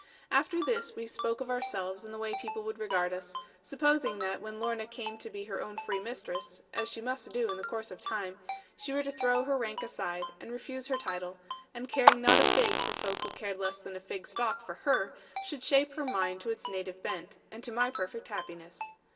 After this, we spoke of ourselves and the way people would regard us, supposing that when Lorna came to be her own free mistress (as she must do in the course of time) she were to throw her rank aside, and refuse her title, and caring not a fig for folk who cared less than a fig stalk for her, should shape her mind to its native bent, and to my perfect happiness.